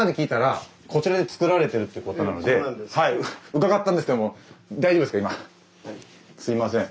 伺ったんですけども大丈夫ですか？